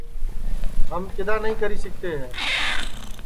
ہم کیوں نائی کری سِکتے ہے اور آج ہم دِکھی رے ہے